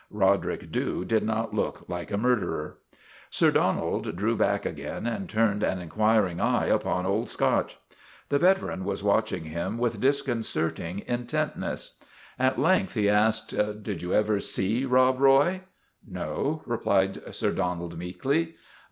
Roderick Dhu did not look tike a murderer. Sir Donald drew back again and turned an in quiring eye upon Old Scotch. The veteran was watching him with disconcerting JUSTICE AT VALLEY BROOK 103 intentness. At length he asked, " Did you ever see Rob Roy ?"" No," replied Sir Donald meekly.